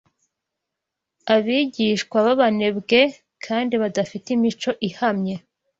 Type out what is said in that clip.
abigishwa b’abanebwe kandi badafite imico ihamye